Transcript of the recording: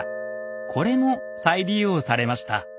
これも再利用されました。